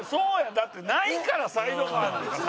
だってないからサイドカーなんかさ。